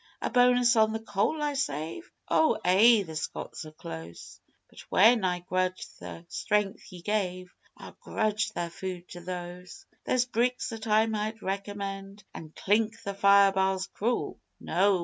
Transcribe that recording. A bonus on the coal I save? Ou ay, the Scots are close, But when I grudge the strength Ye gave I'll grudge their food to those. (There's bricks that I might recommend an' clink the fire bars cruel. No!